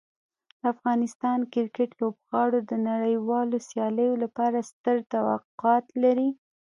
د افغان کرکټ لوبغاړو د نړیوالو سیالیو لپاره ستر توقعات لري.